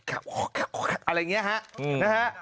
อะไรเงี้ยฮะนะฮะ